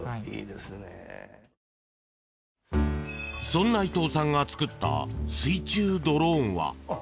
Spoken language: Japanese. そんな伊藤さんが作った水中ドローンは。